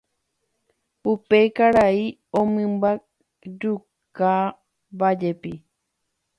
Upe karai omymbajukávajepi.